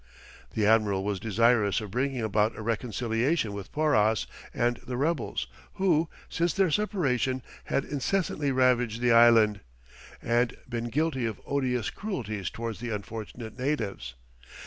The admiral was desirous of bringing about a reconciliation with Porras and the rebels, who, since their separation, had incessantly ravaged the island, and been guilty of odious cruelties towards the unfortunate natives.